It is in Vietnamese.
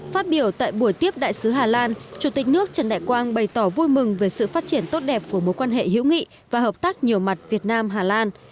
phát biểu tại buổi tiếp đại sứ hà lan chủ tịch nước trần đại quang bày tỏ vui mừng về sự phát triển tốt đẹp của mối quan hệ hữu nghị và hợp tác nhiều mặt việt nam hà lan